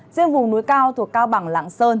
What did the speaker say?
riêng vùng núi cao thuộc cao bằng lạng sơn